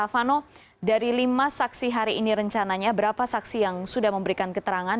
vano dari lima saksi hari ini rencananya berapa saksi yang sudah memberikan keterangan